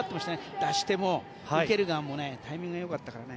出し手も受ける側もタイミングがよかったからね。